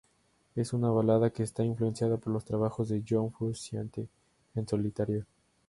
Es una balada que está influenciada por los trabajos de John Frusciante en solitario.